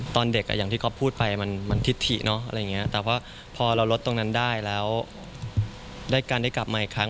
ตอนเด็กอย่างที่ก๊อปพูดไปมันทิศถี่เนอะแต่ว่าพอเราลดตรงนั้นได้แล้วได้การได้กลับมาอีกครั้ง